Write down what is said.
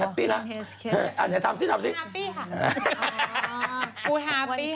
แฮปปี้ละทำสิทำสิแฮปปี้ละปูแฮปปี้ค่ะ